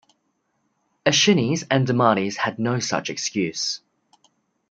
Aeschines and Demades had no such excuse.